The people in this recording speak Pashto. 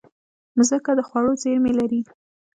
مځکه د خوړو زېرمې لري.